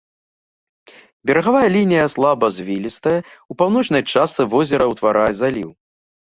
Берагавая лінія слабазвілістая, у паўночнай частцы возера ўтварае заліў.